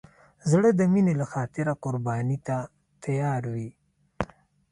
زړه د مینې له خاطره قرباني ته تیار وي.